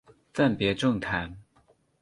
暂别政坛。